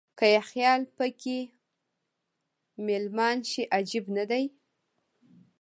که یې خیال په کې مېلمان شي عجب نه دی.